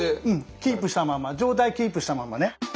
キープしたまま上体キープしたままね。